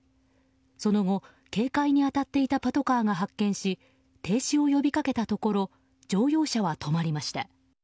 その後、警戒に当たっていたパトカーが発見し停止を呼びかけたところ乗用車は止まりました。